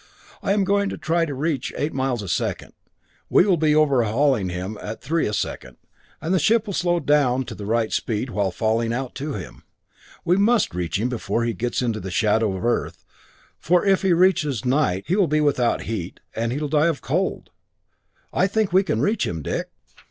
I am going to try to reach eight miles a second. We will be overhauling him at three a second, and the ship will slow down to the right speed while falling out to him. We must reach him before he gets into the shadow of the Earth, though, for if he reaches 'night' he will be without heat, and he'll die of cold. I think we can reach him, Dick!"